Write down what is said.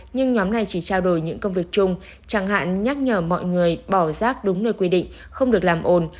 nhưng nhóm này chỉ trao đổi những công việc chung chẳng hạn nhắc nhở mọi người bỏ rác đúng nơi quy định không được làm ồn